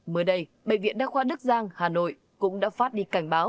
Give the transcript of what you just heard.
mới đây bệnh viện đa khoa đức giang hà nội cũng đã phát đi cảnh báo